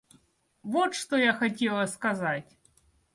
Вот что я хотела сказать.